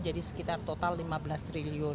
jadi sekitar total lima belas triliun